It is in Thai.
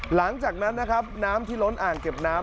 หลังจากนั้นนะครับน้ำที่ล้นอ่างเก็บน้ำ